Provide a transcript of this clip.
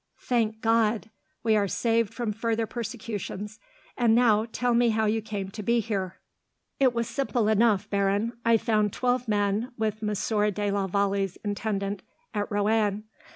"Thank God! We are saved from further persecutions! And now, tell me how you came to be here." "It was simple enough, Baron. I found twelve men, with Monsieur de la Vallee's intendant, at Roanne.